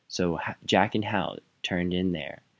So Jack and Hal turned in there.